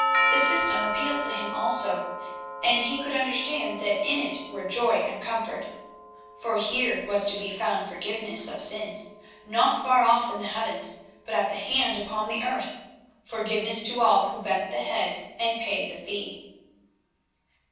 The system appealed to him also, and he could understand that in it were joy and comfort. For here was to be found forgiveness of sins, not far off in the heavens, but at hand upon the earth; forgiveness to all who bent the head and paid the fee.